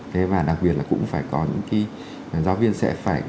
thế và đặc biệt là cũng phải có những cái giáo viên sẽ phải